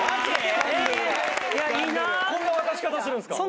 こんな渡し方するんすか？